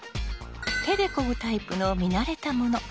手でこぐタイプの見慣れたもの。